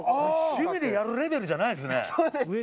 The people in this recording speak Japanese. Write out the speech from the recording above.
趣味でやるレベルじゃないですね。